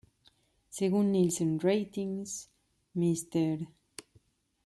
Según Nielsen Ratings, "Mr.